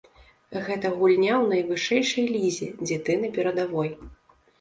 Гэта гульня ў найвышэйшай лізе, дзе ты на перадавой.